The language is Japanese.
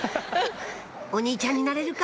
お兄ちゃんになれるか？